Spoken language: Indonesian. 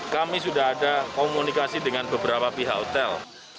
kami sudah ada komunikasi dengan beberapa pihak hotel